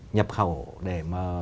nhập khẩu để mà